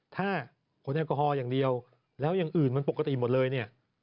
ถ้าขนแอลกอฮอล์อย่างเดียวแล้วอย่างอื่นมันปกติหมดเลยเนี่ย